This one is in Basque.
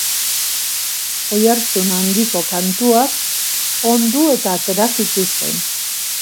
Oihartzun handiko kantuak ondu eta atera zituzten.